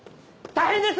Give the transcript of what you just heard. ・大変です！